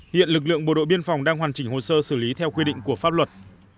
hiện lực lượng bộ đội biên phòng đang hoàn chỉnh hồ sơ xử lý theo quy định của pháp luật